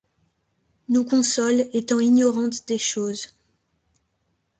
Nous consolent, étant ignorantes des choses